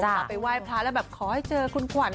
เราไปไหว้พระแล้วแบบขอให้เจอคุณขวัญ